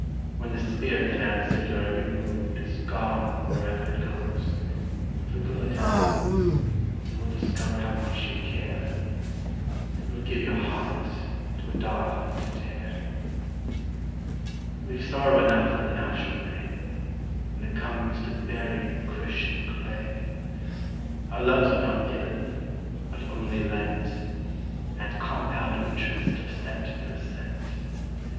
When the spirit that answered your every mood Is gone wherever it goes for good, You will discover how much you care, And will give your heart to a dog to tear! We've sorrow enough in the natural way, When it comes to burying Christian clay. Our loves are not given, but only lent, At compound interest of cent per cent.